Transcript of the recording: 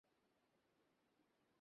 তিনি সংসার পরিচালনা করেন।